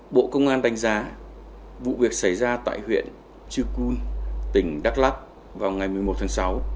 bộ công an đánh giá vụ việc xảy ra tại huyện chư pun tỉnh đắk lắc vào ngày một mươi một tháng sáu